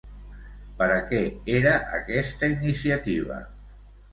Per a què era aquesta iniciativa?